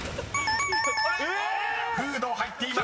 ［「フード」入っていました］